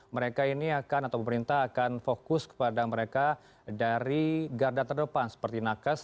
mereka ini akan atau pemerintah akan fokus kepada mereka dari garda terdepan seperti nakes